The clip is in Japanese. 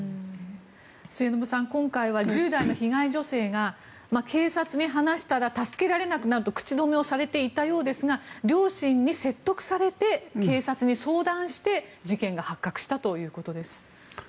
末延さん、今回は１０代の被害女性が警察に話したら助けられなくなると口止めされていましたが両親に説得されて警察に相談して事件が発覚したということです。